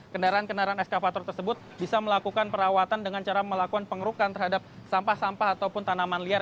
kendaraan kendaraan eskavator tersebut bisa melakukan perawatan dengan cara melakukan pengerukan terhadap sampah sampah ataupun tanaman liar